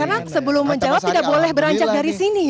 karena sebelum menjawab tidak boleh beranjak dari sini ya